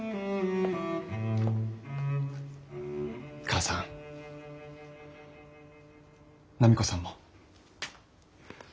母さん波子さんも。